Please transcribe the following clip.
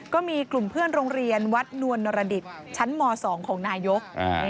ก็มีกลุ่มเพื่อนโรงเรียนวัดนวลนรดิษฐ์ชั้นม๒ของนายก